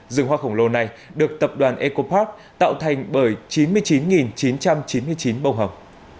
rừng hoa khổng lồ này được tập đoàn eco park tạo thành bởi chín mươi chín chín trăm chín mươi chín bông hồng